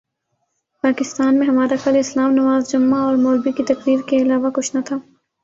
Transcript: پاکستان میں ہمارا کل اسلام نماز جمعہ اور مولبی کی تقریر کے علاوہ کچھ نہ تھا